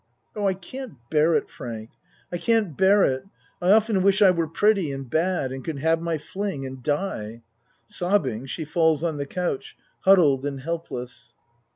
Oh, I can't bear it, Frank. I can't bear it! I often wish I were pretty and bad and could have my fling and die. (Sob bing she falls on the couch huddled and helpless.)